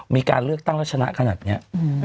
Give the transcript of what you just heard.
มีการเลือกตั้งแล้วชนะขนาดนี้